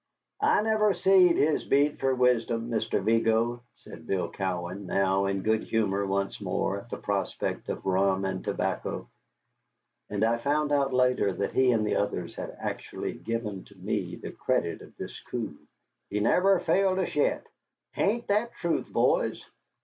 "I never seed his beat fer wisdom, Mister Vigo," said Bill Cowan, now in good humor once more at the prospect of rum and tobacco. And I found out later that he and the others had actually given to me the credit of this coup. "He never failed us yet. Hain't that truth, boys?